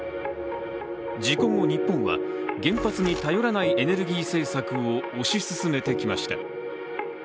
事故後、日本は原発に頼らないエネルギー政策を推し進めてきました。